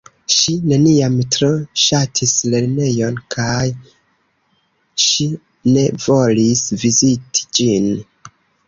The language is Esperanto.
Ŝi neniam tro ŝatis lernejon kaj ŝi ne volis viziti ĝin.